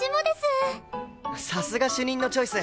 さすが主任のチョイス。